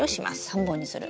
３本にする。